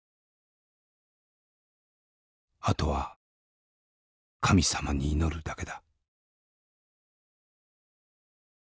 あとは神様に祈るだけだ」。